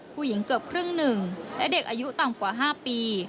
เกือบครึ่งหนึ่งและเด็กอายุต่ำกว่า๕ปี